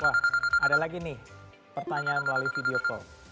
ada lagi nih pertanyaan melalui video call